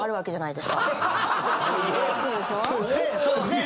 そうですね。